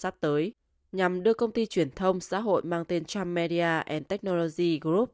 của ông xã hội mang tên trump media technology group